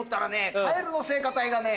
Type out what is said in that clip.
カエルの聖歌隊がね